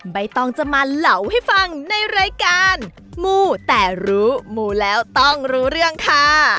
ใบตองจะมาเหลาให้ฟังในรายการมูแต่รู้มูแล้วต้องรู้เรื่องค่ะ